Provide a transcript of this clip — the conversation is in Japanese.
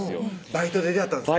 バイトで出会ったんですか